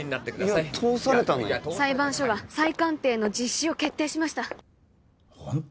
いや通されたのに裁判所が再鑑定の実施を決定しましたホント？